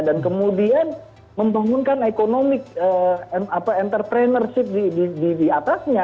kemudian membangunkan ekonomi entrepreneurship di atasnya